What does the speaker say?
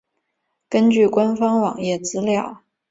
根据官方网页资料。